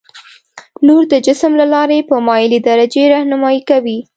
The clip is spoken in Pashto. نور د جسم له لارې په مایلې درجې رهنمایي کوي.